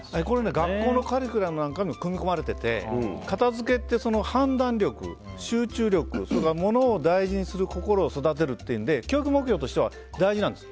学校のカリキュラムなんかにも組み込まれていて片付けって、判断力や集中力物を大事にする心を育てるので教育目標として大事なんです。